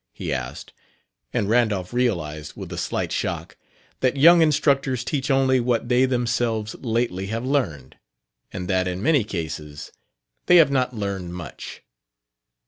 he asked; and Randolph realized, with a slight shock, that young instructors teach only what they themselves lately have learned, and that, in many cases, they have not learned much.